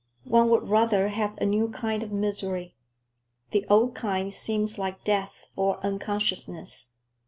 One would rather have a new kind of misery. The old kind seems like death or unconsciousness.